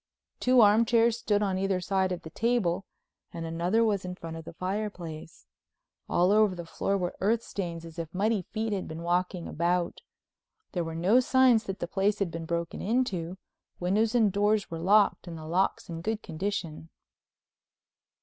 Two armchairs stood on either side of the table and another was in front of the fireplace. All over the floor were earth stains as if muddy feet had been walking about. There were no signs that the place had been broken into—windows and doors were locked and the locks in good condition.